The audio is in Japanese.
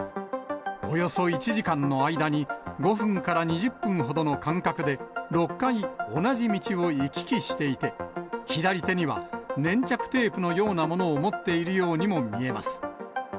およそ１時間の間に、５分から２０分ほどの間隔で、６回同じ道を行き来していて、左手には粘着テープのようなものを持っているようにも見えます。